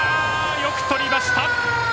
よくとりました！